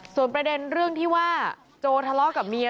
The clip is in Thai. ส่วนประเด็นเรื่องที่ว่าโจทะเลาะกับเมีย